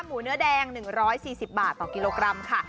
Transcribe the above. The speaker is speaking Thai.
หมูเนื้อแดง๑๔๐บาทต่อกิโลกรัมค่ะ